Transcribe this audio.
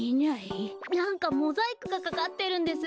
なんかモザイクがかかってるんです。